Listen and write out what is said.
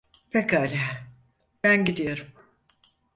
Pekâlâ, ben gidiyorum.